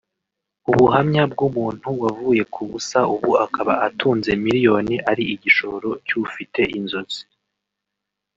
ubuhamya bw’ umuntu wavuye ku busa ubu akaba atunze miliyoni ari igishoro cy’ ufite inzozi